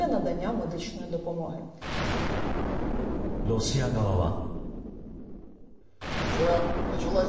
ロシア側は。